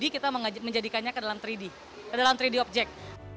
jadi kita mengajak menjadikannya ke dalam tiga d ke dalam tiga d objek